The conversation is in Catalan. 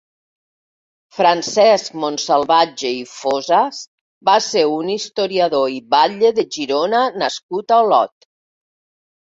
Francesc Montsalvatge i Fossas va ser un historiador i batlle de Girona nascut a Olot.